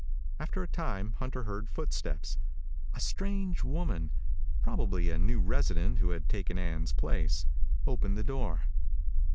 After a time Hunter heard footsteps. A strange woman probably a new resident who had taken Ann's place opened the door.